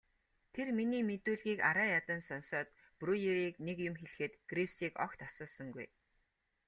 Тэр миний мэдүүлгийг арай ядан сонсоод Бруерыг нэг юм хэлэхэд Гривсыг огт асуусангүй.